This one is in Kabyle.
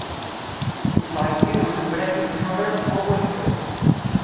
Ittɛeggin unefray imyurar s wawal kan.